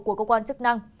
của cơ quan chức năng